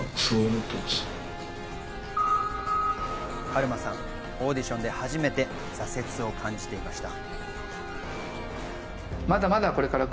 カルマさん、オーディションで初めて挫折を感じていました。